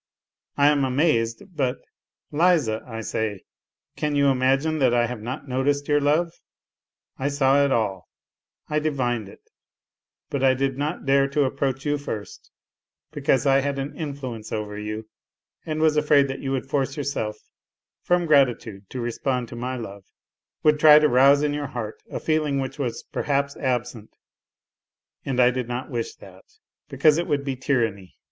I am amazed, but. ..." Liza," I say, " can you imagine that I have not noticed your love, I saw it all, I divined it, but I did not dare to approach you first, because I had an influence over you and was afraid that you would force yourself, from gratitude, to respond to my love, would try to rouse in your heart a feeling which was perhaps absent, and I did not wish that ... because it would be tyranny